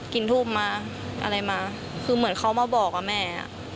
กลิ่นทูบมาอะไรมาคือเหมือนเขามาบอกอะแม่